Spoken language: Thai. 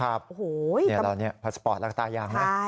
โอ้โหนี่แล้วพัสสปอร์ตแล้วก็ตายาง